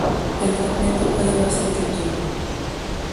El fragmento puede verse en Youtube.